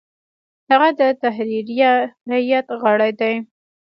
هغه د تحریریه هیئت غړی دی.